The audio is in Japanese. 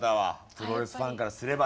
プロレスファンからすればね。